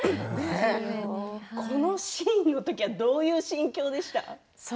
このシーンの時はどういう心境でしたか。